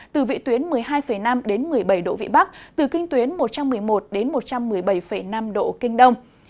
từ vị tuyến một mươi hai năm đến một mươi bảy độ vị bắc từ kinh tuyến một trăm một mươi một đến một trăm một mươi bảy năm độ kinh đông